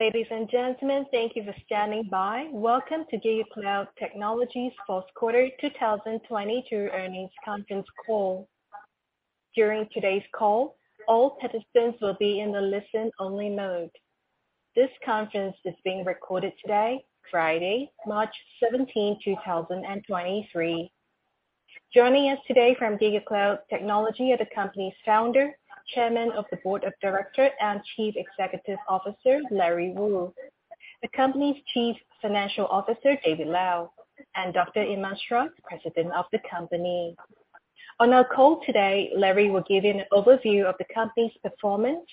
Ladies and gentlemen, thank you for standing by. Welcome to GigaCloud Technology's Q4 2022 Earnings Conference Call. During today's call, all participants will be in the listen-only mode. This conference is being recorded today, Friday, March 17th, 2023. Joining us today from GigaCloud Technology are the company's Founder, Chairman of the Board of Directors, and Chief Executive Officer, Larry Wu. The company's Chief Financial Officer, David Lau, and Dr. Iman Schrock, President of the company. On our call today, Larry will give you an overview of the company's performance,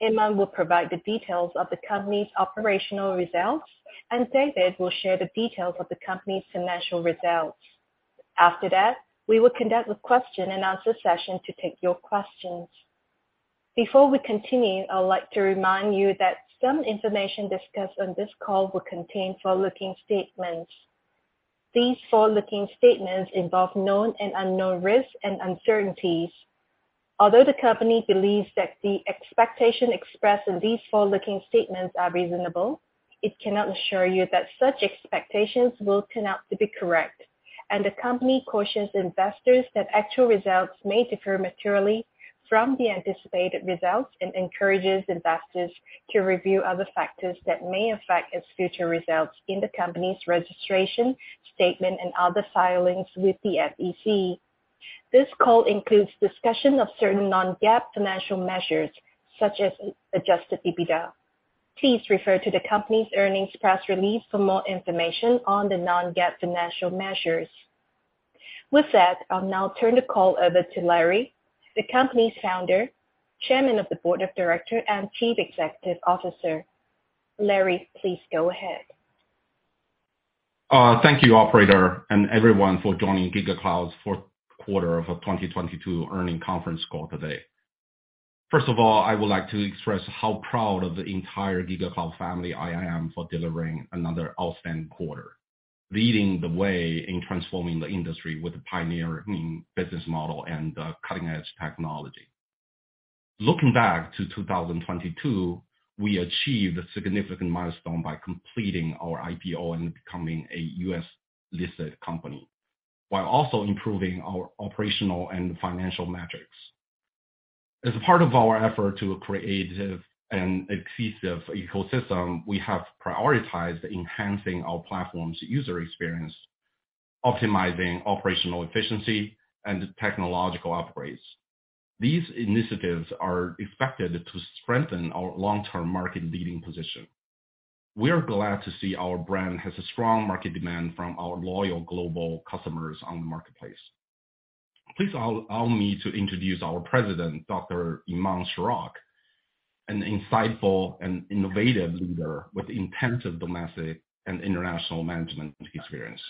Iman will provide the details of the company's operational results, and David will share the details of the company's financial results. After that, we will conduct a Q&A session to take your questions. Before we continue, I would like to remind you that some information discussed on this call will contain forward-looking statements. These forward-looking statements involve known and unknown risks and uncertainties. Although the company believes that the expectation expressed in these forward-looking statements are reasonable, it cannot assure you that such expectations will turn out to be correct. The company cautions investors that actual results may differ materially from the anticipated results and encourages investors to review other factors that may affect its future results in the company's registration statement and other filings with the SEC. This call includes discussion of certain non-GAAP financial measures, such as Adjusted EBITDA. Please refer to the company's earnings press release for more information on the non-GAAP financial measures. With that, I'll now turn the call over to Larry, the company's founder, chairman of the board of directors, and Chief Executive Officer. Larry, please go ahead. Thank you, operator, and everyone for joining GigaCloud's Q4 of 2022 Earnings Conference Call today. First of all, I would like to express how proud of the entire GigaCloud family I am for delivering another outstanding quarter, leading the way in transforming the industry with a pioneering business model and cutting-edge technology. Looking back to 2022, we achieved a significant milestone by completing our IPO and becoming a U.S.-listed company, while also improving our operational and financial metrics. As part of our effort to create an exclusive ecosystem, we have prioritized enhancing our platform's user experience, optimizing operational efficiency and technological upgrades. These initiatives are expected to strengthen our long-term market leading position. We are glad to see our brand has a strong market demand from our loyal global customers on the marketplace. Please allow me to introduce our President, Dr. Iman Schrock, an insightful and innovative leader with intensive domestic and international management experience.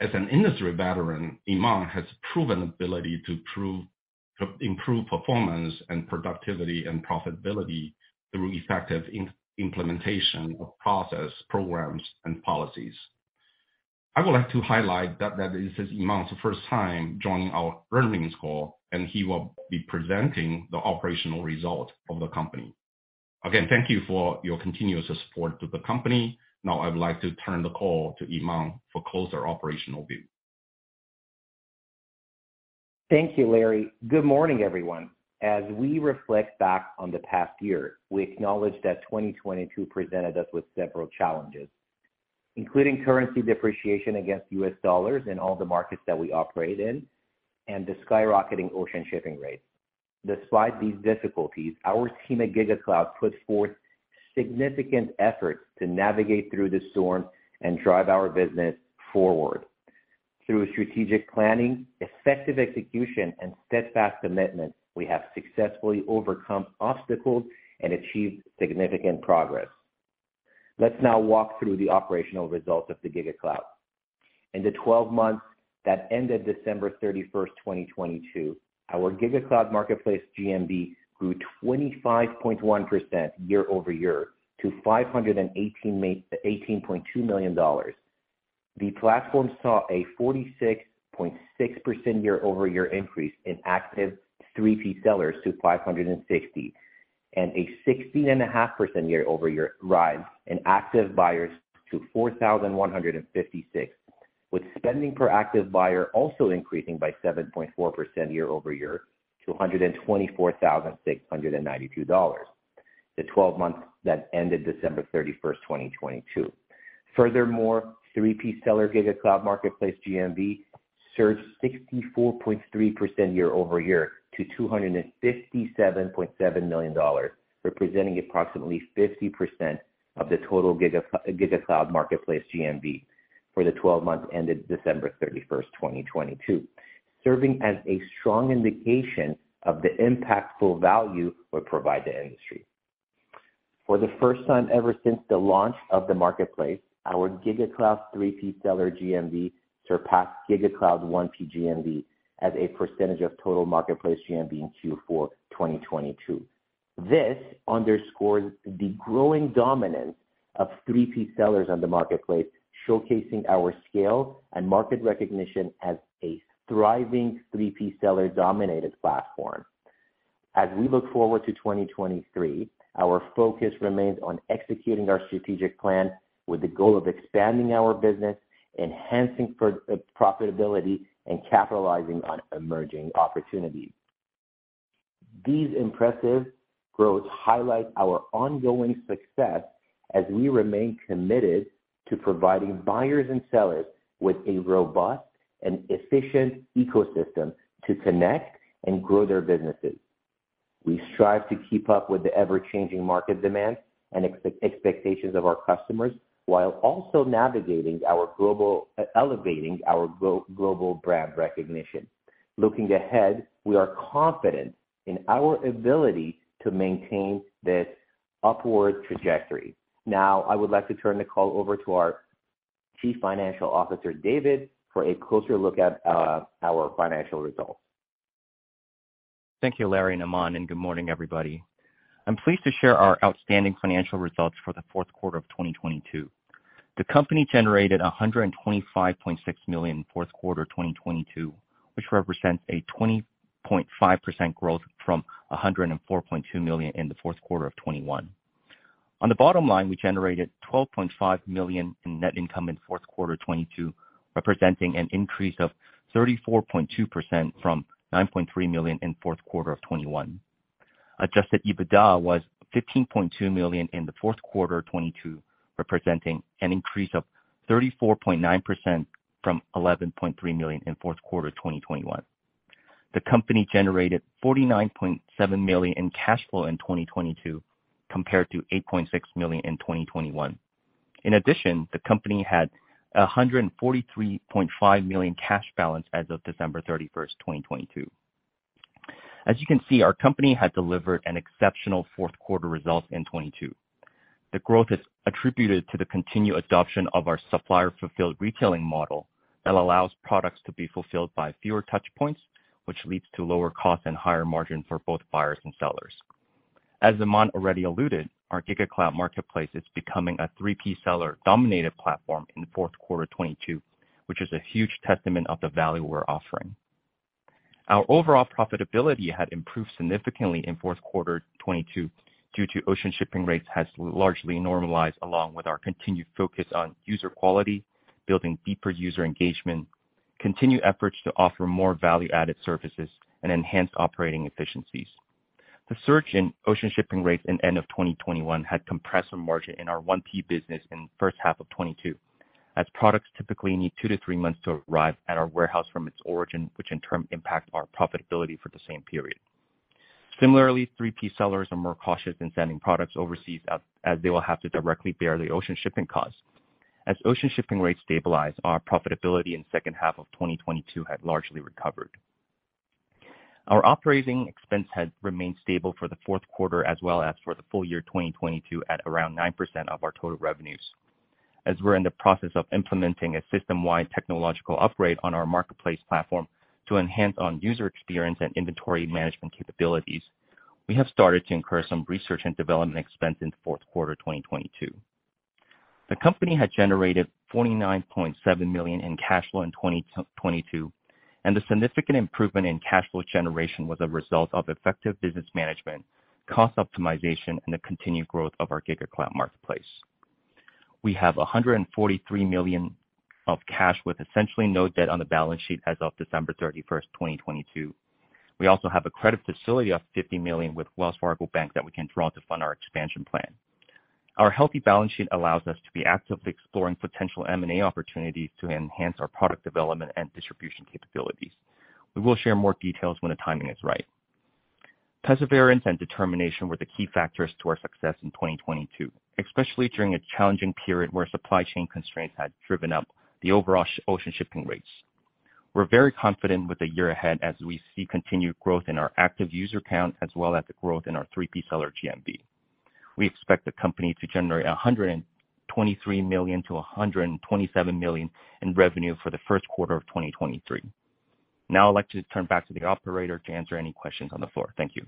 As an industry veteran, Iman has proven ability to improve performance and productivity and profitability through effective implementation of process, programs, and policies. I would like to highlight that is Iman's first time joining our earnings call, and he will be presenting the operational results of the company. Thank you for your continuous support to the company. I would like to turn the call to Iman for closer operational view. Thank you, Larry. Good morning, everyone. As we reflect back on the past year, we acknowledge that 2022 presented us with several challenges, including currency depreciation against U.S. dollars in all the markets that we operate in, and the skyrocketing ocean shipping rates. Despite these difficulties, our team at GigaCloud put forth significant effort to navigate through the storm and drive our business forward. Through strategic planning, effective execution, and steadfast commitment, we have successfully overcome obstacles and achieved significant progress. Let's now walk through the operational results of the GigaCloud. In the 12 months that ended December 31st, 2022, our GigaCloud Marketplace GMV grew 25.1% year-over-year to $518.2 million. The platform saw a 46.6% year-over-year increase in active 3P sellers to 560, and a 16.5% year-over-year rise in active buyers to 4,156, with spending per active buyer also increasing by 7.4% year-over-year to $124,692, the 12 months that ended December 31st, 2022. Furthermore, 3P seller GigaCloud Marketplace GMV surged 64.3% year-over-year to $257.7 million, representing approximately 50% of the total GigaCloud Marketplace GMV for the 12 months ended December 31st, 2022, serving as a strong indication of the impactful value we provide the industry. For the first time ever since the launch of the marketplace, our GigaCloud 3P seller GMV surpassed GigaCloud 1P GMV as a percentage of total marketplace GMV in Q4 2022. This underscores the growing dominance of 3P sellers on the marketplace, showcasing our scale and market recognition as a thriving 3P seller dominated platform. As we look forward to 2023, our focus remains on executing our strategic plan with the goal of expanding our business, enhancing pro-profitability, and capitalizing on emerging opportunities. These impressive growth highlight our ongoing success as we remain committed to providing buyers and sellers with a robust and efficient ecosystem to connect and grow their businesses. We strive to keep up with the ever-changing market demands and expectations of our customers, while also elevating our global brand recognition. Looking ahead, we are confident in our ability to maintain this upward trajectory. I would like to turn the call over to our Chief Financial Officer, David, for a closer look at our financial results. Thank you, Larry and Iman, good morning, everybody. I'm pleased to share our outstanding financial results for the Q4 of 2022. The company generated $125.6 million in Q4 2022, which represents a 20.5% growth from $104.2 million in the Q4 of 2021. On the bottom line, we generated $12.5 million in net income in Q4 2022, representing an increase of 34.2% from $9.3 million in Q4 of 2021. Adjusted EBITDA was $15.2 million in the Q4 2022, representing an increase of 34.9% from $11.3 million in Q4 2021. The company generated $49.7 million in cash flow in 2022 compared to $8.6 million in 2021. In addition, the company had $143.5 million cash balance as of December 31, 2022. As you can see, our company had delivered an exceptional Q4 result in 2022. The growth is attributed to the continued adoption of our Supplier Fulfilled Retailing model that allows products to be fulfilled by fewer touch points, which leads to lower cost and higher margin for both buyers and sellers. As Iman already alluded, our GigaCloud Marketplace is becoming a 3P seller dominated platform in Q4 2022, which is a huge testament of the value we're offering. Our overall profitability had improved significantly in Q4 2022 due to ocean shipping rates has largely normalized, along with our continued focus on user quality, building deeper user engagement, continued efforts to offer more value-added services and enhance operating efficiencies. The surge in ocean shipping rates in end of 2021 had compressed the margin in our 1P business in first half of 2022, as products typically need two to three months to arrive at our warehouse from its origin, which in turn impacts our profitability for the same period. Similarly, 3P sellers are more cautious in sending products overseas as they will have to directly bear the ocean shipping costs. As ocean shipping rates stabilize, our profitability in second half of 2022 had largely recovered. Our operating expense has remained stable for the Q4 as well as for the full year 2022 at around 9% of our total revenues. As we're in the process of implementing a system-wide technological upgrade on our marketplace platform to enhance on user experience and inventory management capabilities, we have started to incur some research and development expense in the Q4, 2022. The significant improvement in cash flow generation was a result of effective business management, cost optimization, and the continued growth of our GigaCloud Marketplace. We have $143 million of cash with essentially no debt on the balance sheet as of December 31st, 2022. We also have a credit facility of $50 million with Wells Fargo Bank that we can draw to fund our expansion plan. Our healthy balance sheet allows us to be actively exploring potential M&A opportunities to enhance our product development and distribution capabilities. We will share more details when the timing is right. Perseverance and determination were the key factors to our success in 2022, especially during a challenging period where supply chain constraints had driven up the overall ocean shipping rates. We're very confident with the year ahead as we see continued growth in our active user count, as well as the growth in our 3P seller GMV. We expect the company to generate $123 million-$127 million in revenue for the Q1 of 2023. I'd like to turn back to the operator to answer any questions on the floor. Thank you.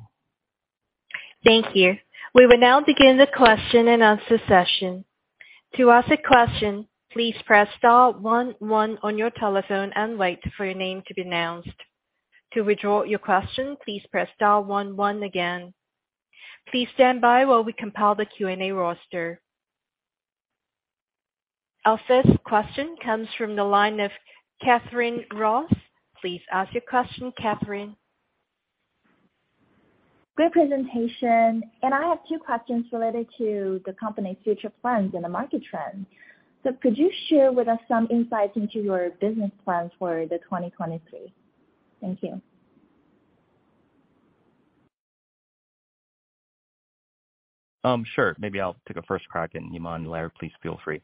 Thank you. We will now begin the Q&A session. To ask a question, please press star one one on your telephone and wait for your name to be announced. To withdraw your question, please press star one one again. Please stand by while we compile the Q&A roster. Our first question comes from the line of Katherine Ross. Please ask your question, Katherine. Great presentation. I have two questions related to the company's future plans and the market trends. Could you share with us some insights into your business plans for 2023? Thank you. Sure. Maybe I'll take a first crack, and Iman and Larry, please feel free.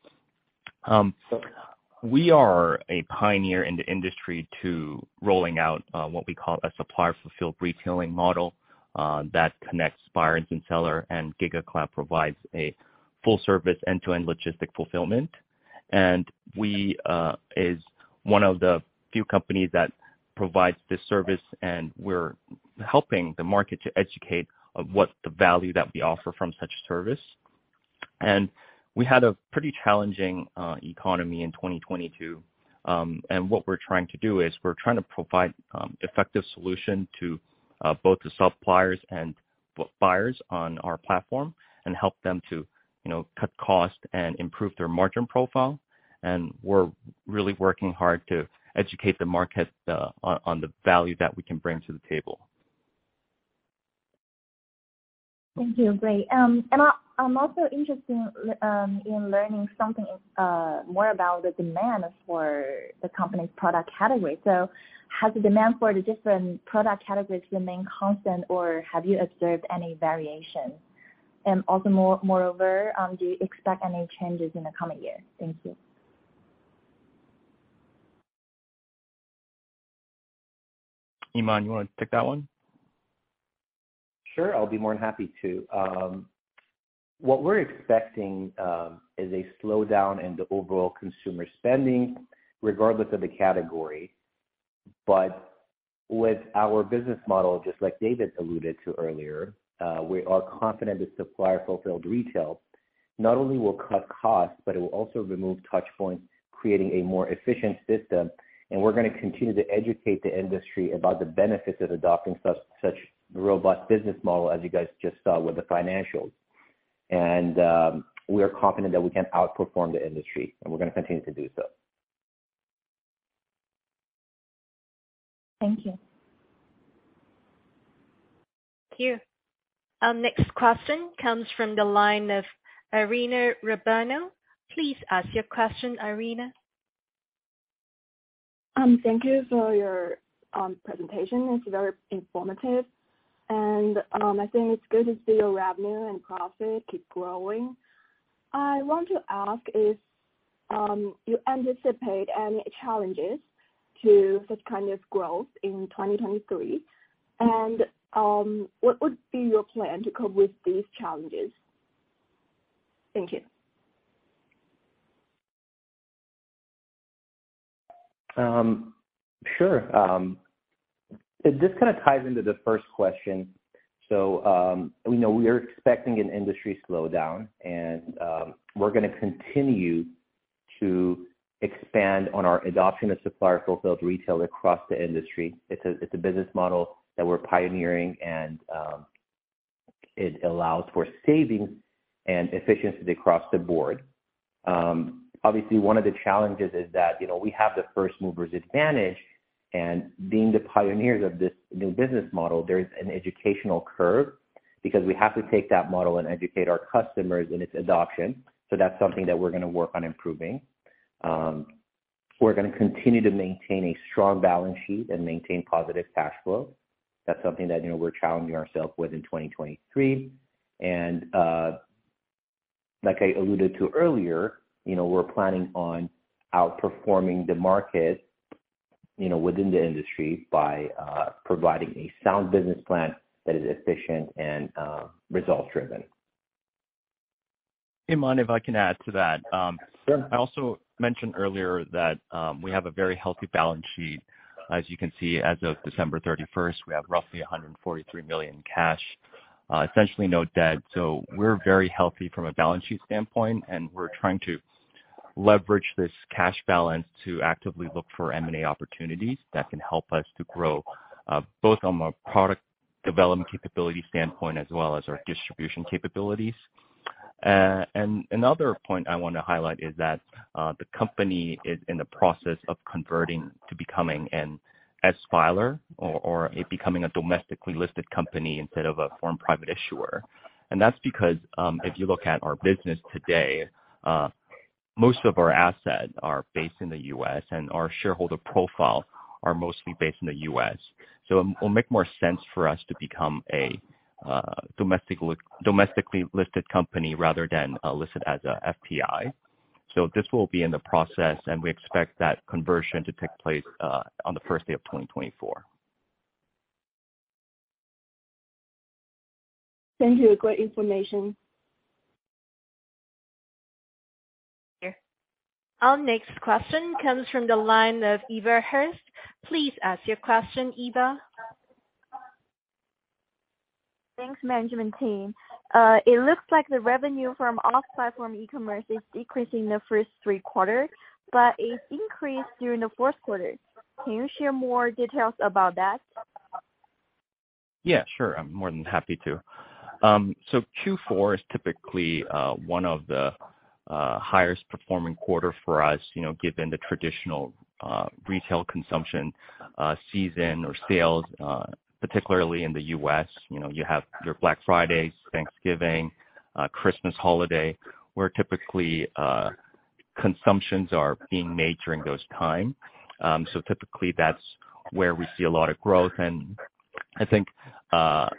We are a pioneer in the industry to rolling out what we call a Supplier Fulfilled Retailing model that connects buyers and seller, and GigaCloud provides a full service end-to-end logistics fulfillment. We is one of the few companies that provides this service, and we're helping the market to educate of what the value that we offer from such service. We had a pretty challenging economy in 2022. What we're trying to do is we're trying to provide effective solution to both the suppliers and buyers on our platform and help them to, you know, cut costs and improve their margin profile. We're really working hard to educate the market on the value that we can bring to the table. Thank you. Great. I'm also interested in learning something more about the demand for the company's product category. Has the demand for the different product categories remained constant, or have you observed any variation? Also more, moreover, do you expect any changes in the coming year? Thank you. Iman, you wanna take that one? Sure. I'll be more than happy to. What we're expecting is a slowdown in the overall consumer spending, regardless of the category. But with our business model, just like David alluded to earlier, we are confident that Supplier Fulfilled Retailing not only will cut costs, but it will also remove touch points, creating a more efficient system. We're gonna continue to educate the industry about the benefits of adopting such robust business model, as you guys just saw with the financials. We are confident that we can outperform the industry, and we're gonna continue to do so. Thank you. Thank you. Our next question comes from the line of Irina Rabano. Please ask your question, Irina. Thank you for your presentation. It's very informative. I think it's good to see your revenue and profit keep growing. I want to ask if you anticipate any challenges to this kind of growth in 2023. What would be your plan to cope with these challenges? Thank you. Sure. This kinda ties into the first question. We know we are expecting an industry slowdown, we're gonna continue to expand on our adoption of Supplier Fulfilled Retailing across the industry. It's a business model that we're pioneering, it allows for savings and efficiency across the board. Obviously, one of the challenges is that, you know, we have the first movers advantage, and being the pioneers of this new business model, there's an educational curve because we have to take that model and educate our customers in its adoption. That's something that we're gonna work on improving. We're gonna continue to maintain a strong balance sheet and maintain positive cash flow. That's something that, you know, we're challenging ourselves with in 2023. Like I alluded to earlier, you know, we're planning on outperforming the market, you know, within the industry by providing a sound business plan that is efficient and results driven. Iman, if I can add to that. Sure. I also mentioned earlier that we have a very healthy balance sheet. As you can see, as of December 31st, we have roughly $143 million cash, essentially no debt. We're very healthy from a balance sheet standpoint, and we're trying to leverage this cash balance to actively look for M&A opportunities that can help us to grow, both on the product development capability standpoint as well as our distribution capabilities. Another point I wanna highlight is that the company is in the process of converting to becoming an S filer or becoming a domestically listed company instead of a foreign private issuer. That's because, if you look at our business today, most of our assets are based in the U.S., and our shareholder profile are mostly based in the U.S. It will make more sense for us to become a domestically listed company rather than listed as a FPI. This will be in the process, and we expect that conversion to take place on the first day of 2024. Thank you. Great information. Our next question comes from the line of Eva Hurst. Please ask your question, Eva. Thanks, management team. It looks like the revenue from off-platform ecommerce is decreasing in the first three quarters, but it increased during the Q4. Can you share more details about that? Yeah, sure. I'm more than happy to. Q4 is typically one of the highest performing quarter for us, you know, given the traditional retail consumption season or sales particularly in the US. You know, you have your Black Friday, Thanksgiving, Christmas holiday, where typically consumptions are being made during those time. Typically that's where we see a lot of growth. I think,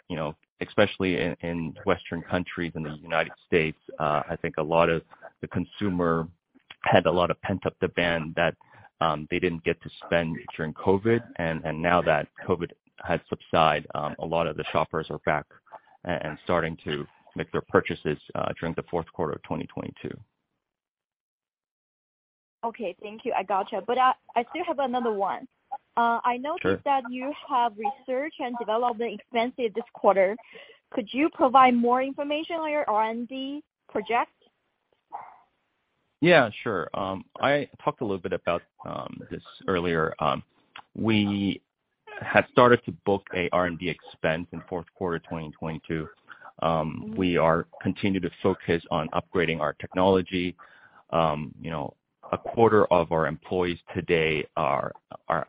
you know, especially in Western countries, in the United States, I think a lot of the consumer had a lot of pent-up demand that they didn't get to spend during COVID. Now that COVID has subside, a lot of the shoppers are back. And starting to make their purchases during the Q4 of 2022. Okay, thank you. I gotcha. I still have another one. Sure. I noticed that you have research and development expenses this quarter. Could you provide more information on your R&D project? Yeah, sure. I talked a little bit about this earlier. We have started to book a R&D expense in Q4 2022. We are continuing to focus on upgrading our technology. You know, a quarter of our employees today are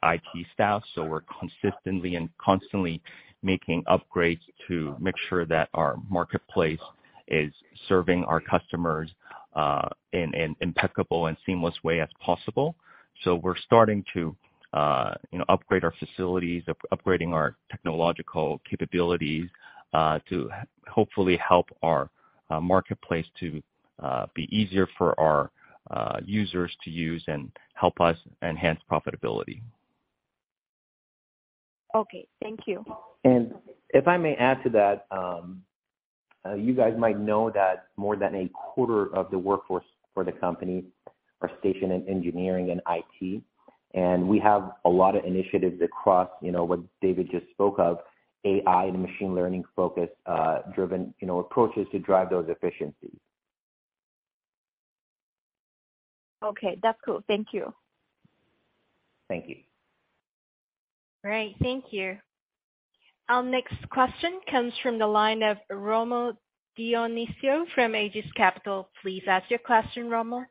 IT staff, so we're consistently and constantly making upgrades to make sure that our marketplace is serving our customers in an impeccable and seamless way as possible. We're starting to, you know, upgrade our facilities, upgrading our technological capabilities to hopefully help our marketplace to be easier for our users to use and help us enhance profitability. Okay, thank you. If I may add to that, you guys might know that more than a quarter of the workforce for the company are stationed in engineering and IT, and we have a lot of initiatives across, you know, what David just spoke of, AI and machine learning focus, driven, you know, approaches to drive those efficiencies. Okay, that's cool. Thank you. Thank you. All right. Thank you. Our next question comes from the line of Rommel Dionisio from Aegis Capital. Please ask your question, Rommel.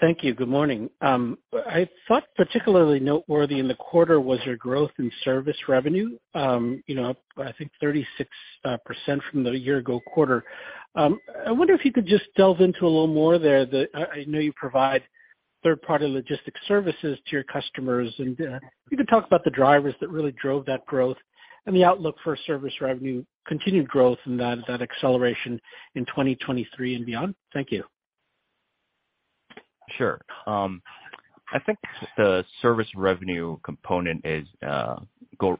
Thank you. Good morning. I thought particularly noteworthy in the quarter was your growth in service revenue. you know, up, I think 36% from the year ago quarter. I wonder if you could just delve into a little more there that I know you provide third-party logistics services to your customers and you could talk about the drivers that really drove that growth and the outlook for service revenue continued growth and that acceleration in 2023 and beyond. Thank you. Sure. I think the service revenue component is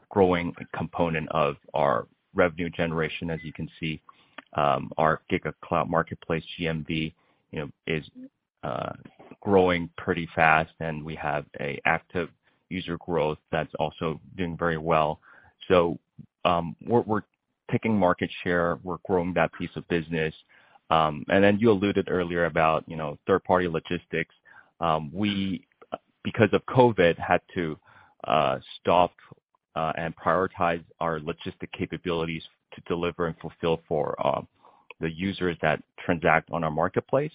growing a component of our revenue generation. As you can see, our GigaCloud Marketplace GMV, you know, is growing pretty fast, and we have a active user growth that's also doing very well. We're taking market share, we're growing that piece of business. You alluded earlier about, you know, third-party logistics. We, because of COVID, had to stop and prioritize our logistics capabilities to deliver and fulfill for the users that transact on our marketplace.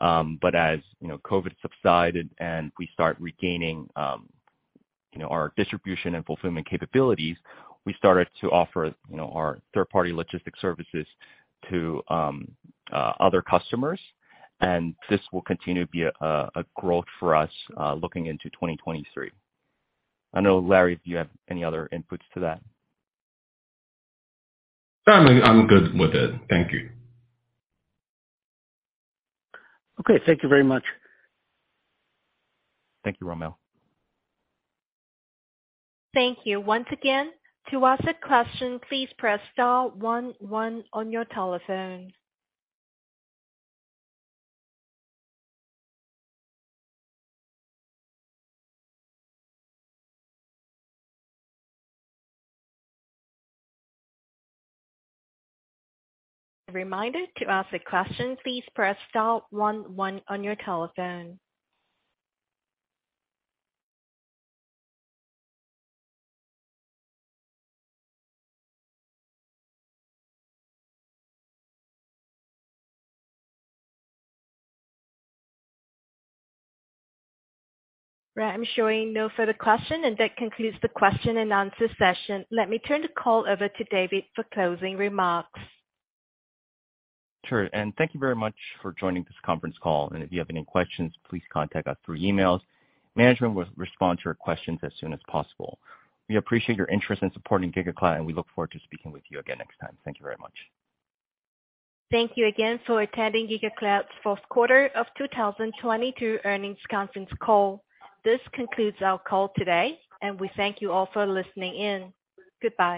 As, you know, COVID subsided and we start regaining, you know, our distribution and fulfillment capabilities, we started to offer, you know, our third-party logistics services to other customers, and this will continue to be a growth for us looking into 2023. I know, Larry, if you have any other inputs to that. I'm good with it. Thank you. Okay. Thank you very much. Thank you, Rommel. Thank you. Once again, to ask a question, please press star one one on your telephone. A reminder, to ask a question, please press star one one on your telephone. Right. I'm showing no further question and that concludes the Q&A session. Let me turn the call over to David for closing remarks. Sure. Thank you very much for joining this conference call. If you have any questions, please contact us through emails. Management will respond to your questions as soon as possible. We appreciate your interest in supporting GigaCloud, and we look forward to speaking with you again next time. Thank you very much. Thank you again for attending GigaCloud's Q4 of 2022 Earnings Conference Call. This concludes our call today, and we thank you all for listening in. Goodbye.